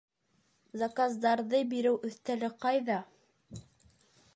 Заказдарҙы биреү өҫтәле ҡайҙа?